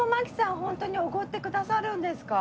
ホントにおごってくださるんですか？